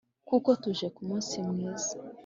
kuko tuje ku munsi mwiza.